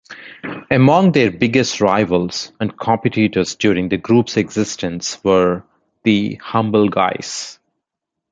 Among their biggest rivals and competitors during the group's existence were The Humble Guys.